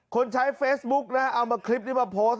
คนใช้เฟซบุ๊กนะเอามาคลิปนี้มาโพสต์